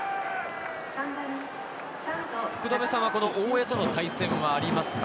福留さんは大江との対戦はありますか？